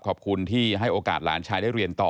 ขอบคุณที่ให้โอกาสหลานชายได้เรียนต่อ